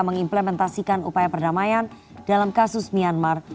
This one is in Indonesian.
mengimplementasikan upaya perdamaian dalam kasus myanmar